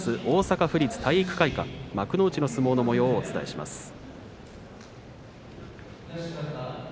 大阪府立体育会館幕内の相撲のもようをお伝えします。